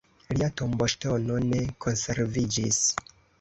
Lia tomboŝtono ne konserviĝis.